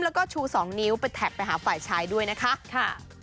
แล้วก็ชู๒นิ้วไปแท็กไปหาฝ่ายชายด้วยนะคะ